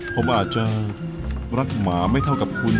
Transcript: ผมอาจจะรักหมาไม่เท่ากับคุณ